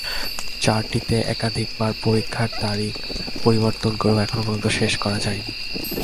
চারটিতে একাধিকবার পরীক্ষার তারিখ পরিবর্তন করেও এখন পর্যন্ত শেষ করা যায়নি।